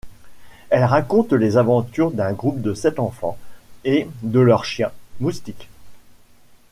Elle raconte les aventures d’un groupe de sept enfants et de leur chien, Moustique.